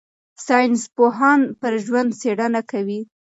ساینسپوهان پر ژوند څېړنه کوي.